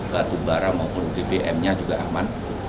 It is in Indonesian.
batu bara maupun bbm nya juga aman